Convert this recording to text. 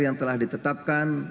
yang telah ditetapkan